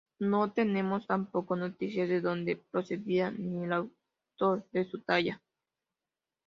No tenemos tampoco noticias de donde procedía, ni el autor de su talla.